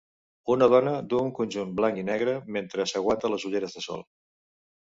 Una dona du un conjunt blanc i negre mentre s'aguanta les ulleres de sol.